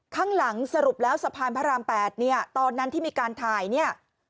ข้างหลังสรุปแล้วสะพานพระราม๘เนี่ยตอนนั้นที่มีการถ่ายเนี่ย